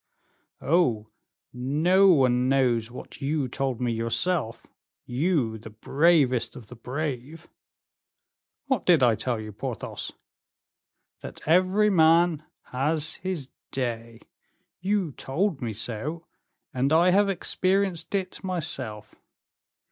"Oh! no one knows what you told me yourself, you, the bravest of the brave." "What did I tell you, Porthos?" "That every man has his day. You told me so, and I have experienced it myself.